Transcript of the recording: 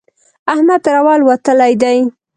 احمد تر اول وتلی دی.